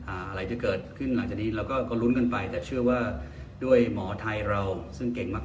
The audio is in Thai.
อะไรที่เกิดขึ้นหลังจากนี้เราก็ลุ้นกันไปแต่เชื่อว่าด้วยหมอไทยเราซึ่งเก่งมาก